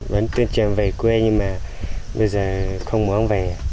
vẫn tình trạng về quê nhưng mà bây giờ không muốn về